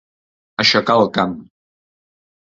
Aixecar el camp.